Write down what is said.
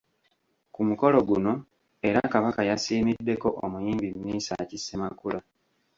Ku mukolo guno era Kabaka yasiimiddeko omuyimbi Mesach Ssemakula.